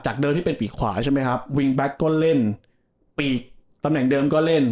เดิมที่เป็นปีกขวาใช่ไหมครับวิงแบ็คก็เล่นปีกตำแหน่งเดิมก็เล่น